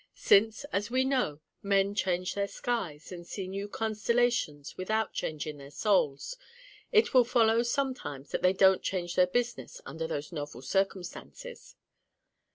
Since, as we know, men change their skies and see new constellations without changing their souls, it will follow sometimes that they don't change their business under those novel circumstances.